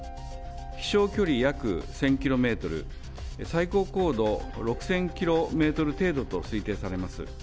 飛しょう距離約１０００キロメートル、最高高度６０００キロメートル程度と推定されます。